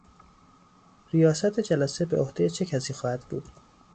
ریاست جلسه به عهده چه کسی خواهد بود؟